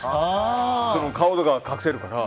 顔とか隠せるから。